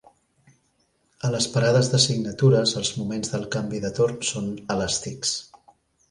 A les parades de signatures els moments del canvi de torn són elàstics.